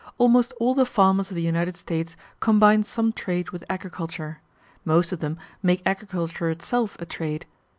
Almost all the farmers of the United States combine some trade with agriculture; most of them make agriculture itself a trade.